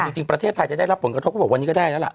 จริงประเทศไทยจะได้รับผลกระทบก็บอกวันนี้ก็ได้แล้วล่ะ